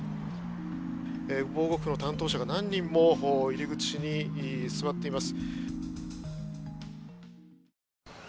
防護服の担当者が何人も入り口に座っています。